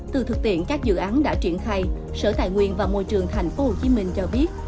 từ thực tiện các dự án đã triển khai sở tài nguyên và môi trường thành phố hồ chí minh cho biết